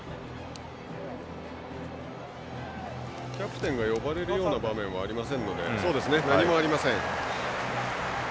キャプテンが呼ばれるような場面は何もありません。